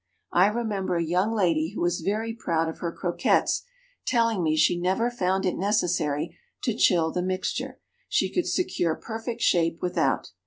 I remember a young lady who was very proud of her croquettes telling me she never found it necessary to chill the mixture; she could secure perfect shape without.